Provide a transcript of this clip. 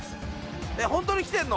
えっホントにきてんの？